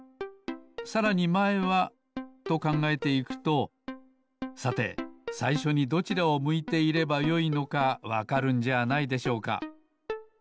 さらにまえはと考えていくとさてさいしょにどちらを向いていればよいのかわかるんじゃないでしょうか。